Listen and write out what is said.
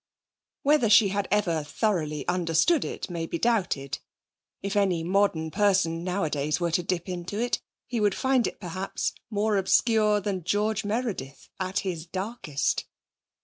Whether she had ever thoroughly understood it may be doubted. If any modern person nowadays were to dip into it, he would find it, perhaps, more obscure than George Meredith at his darkest.